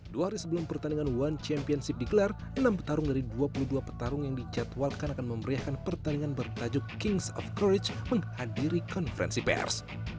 dua hari sebelum pertandingan one championship digelar enam petarung dari dua puluh dua petarung yang dijadwalkan akan memberiakan pertandingan bertajuk kings of courage menghadiri konferensi pers